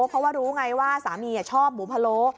เพราะว่ารู้ไงว่าสามีชอบหมูพะโล้